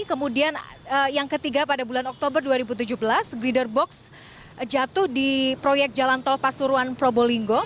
kemudian yang ketiga pada bulan oktober dua ribu tujuh belas grider box jatuh di proyek jalan tol pasuruan probolinggo